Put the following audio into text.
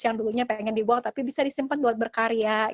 yang dulunya pengen dibawa tapi bisa disimpan buat berkarya